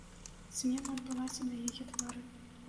Змена адбылася на яе твары.